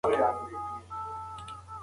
کمپيوټر سند جوړوي.